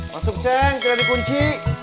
masuk jeng jadi kunci